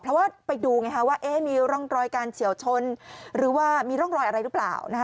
เพราะว่าไปดูว่ามีร่องรอยการเฉียวชนหรือว่ามีร่องรอยอะไรหรือเปล่า